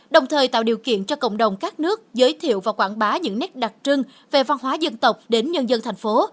đồng thời tạo điều kiện cho cộng đồng các nước giới thiệu và quảng bá những nét đặc trưng về văn hóa dân tộc đến nhân dân thành phố